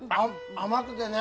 甘くてね。